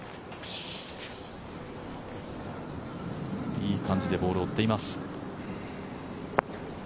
いい感じでボールを追っています。